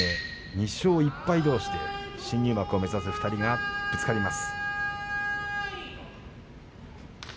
２勝１敗どうしで新入幕を目指す２人がぶつかります。